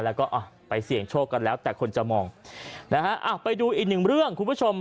แล้วก็อ่ะไปเสี่ยงโชคกันแล้วแต่คนจะมองนะฮะอ่ะไปดูอีกหนึ่งเรื่องคุณผู้ชม